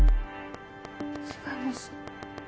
違います。